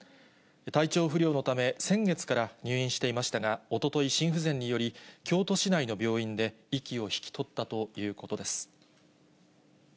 体調不良のため先月から入院していましたが、おととい、心不全により、京都市内の病院で息を引き取ったということです。